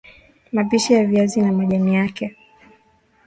Mapishi ya viazi na majani yake